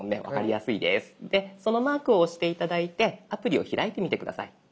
でそのマークを押して頂いてアプリを開いてみて下さい。